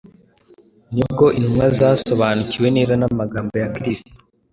Nibwo intumwa zasobanukiwe neza n’amagambo ya Kristo,